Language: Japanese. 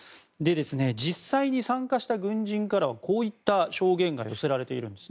実際に参加した軍人からはこういった証言が寄せられています。